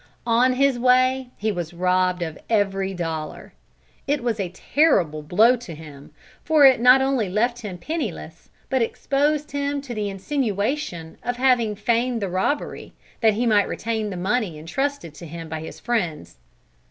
On his way he was robbed of every dollar. It was a terrible blow to him, for it not only left him penniless, but exposed him to the insinuation of having feigned the robbery, that he might retain the money entrusted to him by his friends.